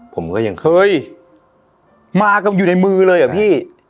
ผมก็ยังเฮ้ยมากันอยู่ในมือเลยอ่ะพี่